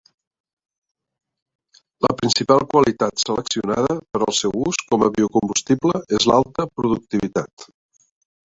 La principal qualitat seleccionada per al seu ús com a biocombustible és l'alta productivitat.